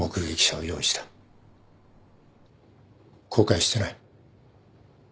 後悔してない。